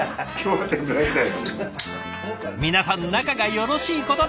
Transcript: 皆さん仲がよろしいことで！